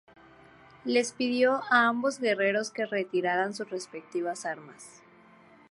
Les pidió a ambos guerreros que retiraran sus respectivas armas.